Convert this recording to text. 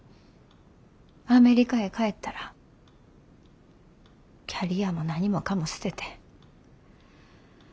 アメリカへ帰ったらキャリアも何もかも捨てて。